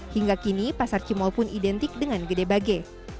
hingga kini pasar cimol pun identik dengan gedebage